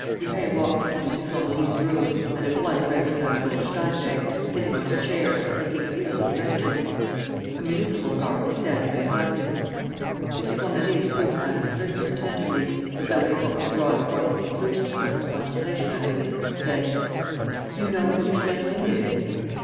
Lupin walked into M. Formerie's room and at once recognized old Steinweg, sitting on a chair, looking ill and wretched. A municipal guard was standing behind him. M. Formerie scrutinized the prisoner attentively, as though he hoped to draw important conclusions from his contemplation of him, and said: "You know who this gentleman is?"